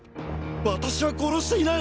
私は殺していない！